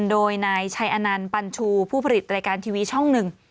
โดยนายชัยอนันต์ปัญชูผู้ผลิตรายการทีวีช่องหนึ่ง